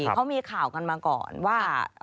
เขามีข่าวกันมาก่อนว่า